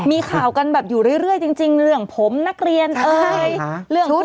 พี่ขับรถไปเจอแบบ